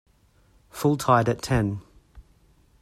Full tide at ten.